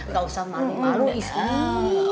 gak usah malu malu istri